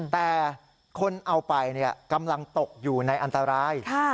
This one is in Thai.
แต่คนเอาไปกำลังตกอยู่ในอันตราย